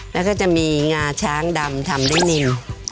แล้วก็จะมีงาช้างดำทำด้วยนิว